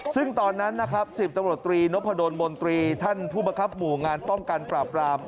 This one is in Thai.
ซึ่งตอนนั้นนะครับ๑๐ตำรวจตรีนพดลมนตรีท่านผู้บังคับหมู่งานป้องกันปราบราม